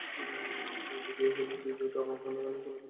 বৃষ্টি যদি হয়ও, বৃষ্টি থামার ঘণ্টা খানেক পরই খেলা শুরু হতে পারবে।